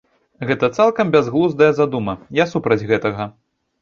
Гэта цалкам бязглуздая задума, я супраць гэтага.